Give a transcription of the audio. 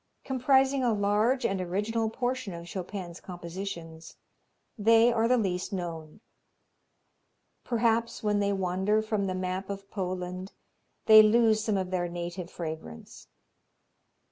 Comprising a large and original portion of Chopin's compositions, they are the least known. Perhaps when they wander from the map of Poland they lose some of their native fragrance.